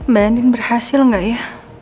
mbak yandin berhasil gak ya